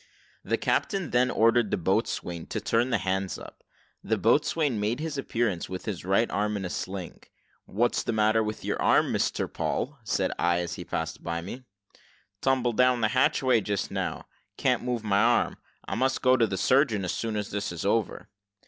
The captain then ordered the boatswain to turn the hands up. The boatswain made his appearance with his right arm in a sling. "What's the matter with your arm, Mr Paul?" said I, as he passed me. "Tumbled down the hatchway just now can't move my arm; I must go to the surgeon as soon as this is over."